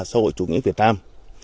sau hội chủ nghĩa việt nam